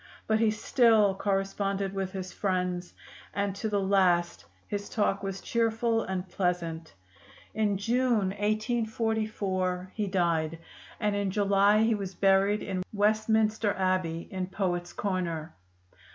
But he still corresponded with his friends, and to the last his talk was cheerful and pleasant. In June, 1844, he died, and in July he was buried in Westminster Abbey in Poets' Corner.